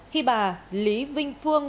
khi bà lý vinh phương